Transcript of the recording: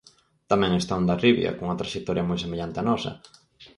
Tamén está Hondarribia cunha traxectoria moi semellante á nosa.